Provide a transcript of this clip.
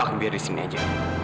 akan biar disini aja